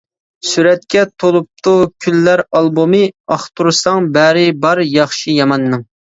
سۈرەتكە تولۇپتۇ كۈنلەر ئالبومى، ئاختۇرساڭ بەرى بار ياخشى ياماننىڭ.